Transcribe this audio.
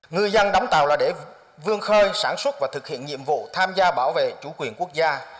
ngư dân đóng tàu là để vương khơi sản xuất và thực hiện nhiệm vụ tham gia bảo vệ chủ quyền quốc gia